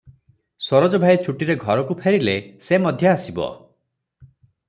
ସରୋଜ ଭାଇ ଛୁଟିରେ ଘରକୁ ଫେରିଲେ ସେ ମଧ୍ୟ ଆସିବ ।"